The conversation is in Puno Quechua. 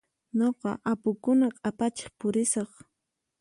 Nuqa apukuna q'apachiq pusiraq.